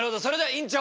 院長？